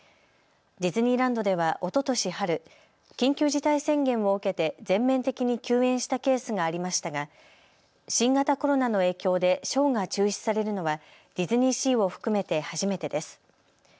ディズニーランドではおととし春、緊急事態宣言を受けて全面的に休園したケースがありましたが新型コロナの影響でショーが中止されるのはディズニーシーを含めて初めてです。